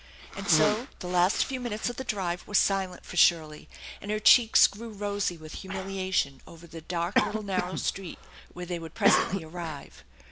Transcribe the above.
And so the last few minutes of the drive were silent for Shirley, and her cheeks grew rosy with humiliation over the dark little narrow street where they would presently arrive.